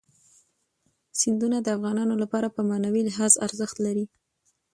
سیندونه د افغانانو لپاره په معنوي لحاظ ارزښت لري.